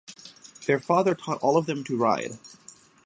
Their father taught all of them to ride.